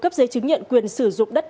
cấp giấy chứng nhận quyền sử dụng đất